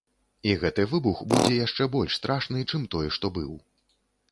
І гэты выбух будзе яшчэ больш страшны, чым той, што быў.